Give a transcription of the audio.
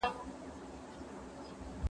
زه به اوبه څښلي وي؟